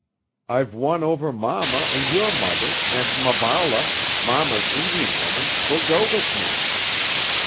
I've won over mamma and your mother, and Maballa, mamma's Indian woman, will go with me.